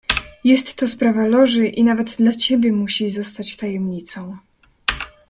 "Jest to sprawa Loży i nawet dla ciebie musi pozostać tajemnicą."